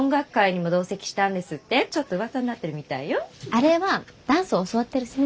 あれはダンスを教わってる先生が。